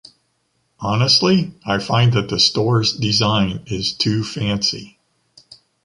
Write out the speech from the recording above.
Honestly, I find that the store’s design is too fancy.